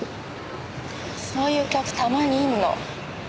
そういう客たまにいるの。